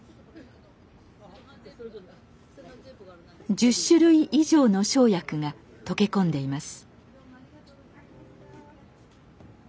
１０種類以上の生薬が溶け込んでいます。